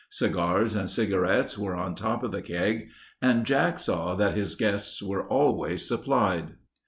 Cigars and cigarettes were on top of the keg and Jack saw that his guests were always supplied.